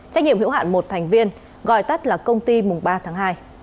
trách nhiệm hiểu hạn một thành viên gọi tắt là công ty ba tháng hai